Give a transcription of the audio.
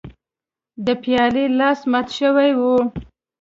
د پیالې لاس مات شوی و.